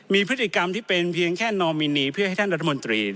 มีพฤติกรรมที่เป็นเพียงแค่นอมินีเพื่อให้ท่านรัฐมนตรี